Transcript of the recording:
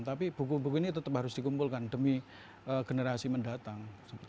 tapi buku buku ini tetap harus dikumpulkan demi generasi mendatang